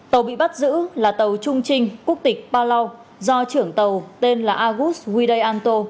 tàu bị bắt giữ là tàu trung trinh quốc tịch palau do trưởng tàu tên là agus widayanto